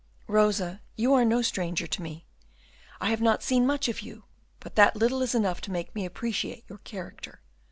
"Rosa, you are no stranger to me. I have not seen much of you, but that little is enough to make me appreciate your character.